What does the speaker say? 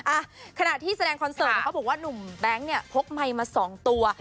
อ่ะขณะที่แสดงคอนเสิร์ตเขาบอกว่าหนุ่มแบงค์เนี่ยพกไมค์มาสองตัว